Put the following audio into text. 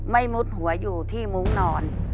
มุดหัวอยู่ที่มุ้งนอน